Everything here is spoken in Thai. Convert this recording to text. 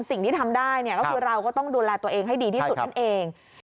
สิ่งที่ทำได้ก็คือเราก็ต้องดูแลตัวเองให้ดีที่สุดนั่นเอง